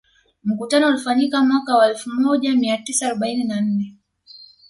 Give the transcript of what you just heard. Mkutano ulifanyika mwaka wa elfu moja mia tisa arobaini na nne